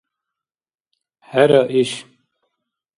– ХӀера иш.